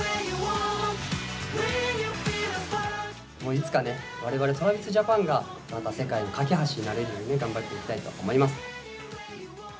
いつかね、われわれＴｒａｖｉｓＪａｐａｎが、世界の懸け橋になれるように頑張っていきたいと思います。